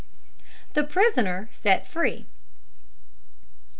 THE PRISONER SET FREE.